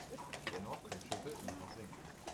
Dennoch können Schiffe immer noch sinken.